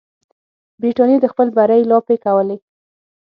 برټانیې د خپل بری لاپې کولې.